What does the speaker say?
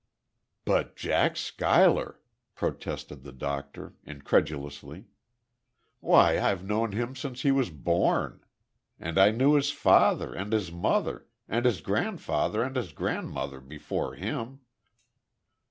"But Jack Schuyler!" protested the doctor, incredulously. "Why, I've known him since he was born. And I knew his father, and his mother, and his grandfather and his grandmother before him!